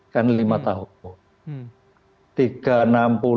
kan lima tahun